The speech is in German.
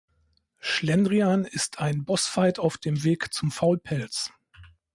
Schlendrian ist ein Boss-Fight auf dem Weg zum Faulpelz.